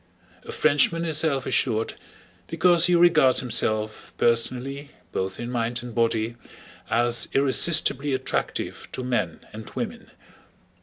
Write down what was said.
A Frenchman is self assured because he regards himself personally, both in mind and body, as irresistibly attractive to men and women.